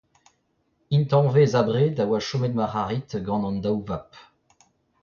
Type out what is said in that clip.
Intañvez abred a oa chomet Marc’harid gant daou vab.